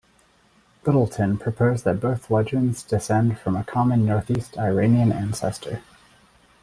Littleton proposed that both legends descend from a common northeast Iranian ancestor.